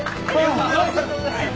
ありがとうございます。